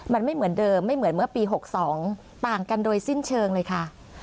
มันไม่เหมือนเดิมไม่เหมือนเมื่อปี๖๒ต่างกันโดยสิ้นเชิงเลยค่ะ